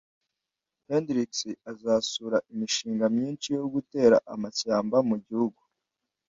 Hendricks azasura imishinga myinshi yo gutera amashyamba mu gihugu